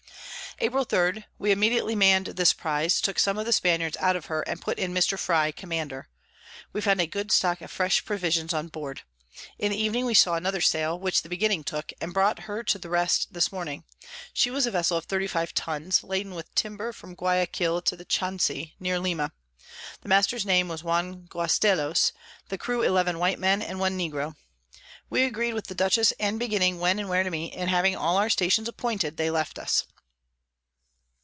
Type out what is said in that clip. April 3. We immediately mann'd this Prize, took some of the Spaniards out of her, and put in Mr. Frye Commander. We found a good stock of fresh Provisions on board. In the Evening we saw another Sail, which the Beginning took, and brought her to the rest this Morning: She was a Vessel of 35 Tuns, laden with Timber from Guiaquil to Chancay near Lima; the Master's Name was Juan Guastellos, the Crew 11 white Men and 1 Negro. We agreed with the Dutchess and Beginning when and where to meet; and having all our Stations appointed, they left us.